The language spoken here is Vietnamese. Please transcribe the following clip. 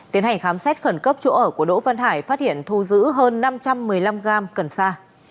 tiến hành khám xét khẩn cấp chỗ ở của đỗ văn hải phát hiện thu giữ hơn năm trăm một mươi năm gram cần sa